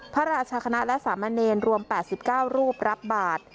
พระราชคณะและสามเณรรวม๘๙รูปรับบาท